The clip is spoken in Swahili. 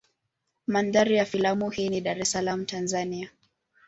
Mandhari ya filamu hii ni Dar es Salaam Tanzania.